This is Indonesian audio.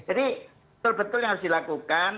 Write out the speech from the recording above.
jadi betul betul yang harus dilakukan